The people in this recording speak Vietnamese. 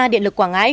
điện lực quảng ngãi